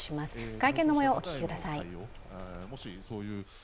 会見のもようをお聞きください。